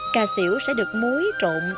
cà xỉu sẽ được muối trộn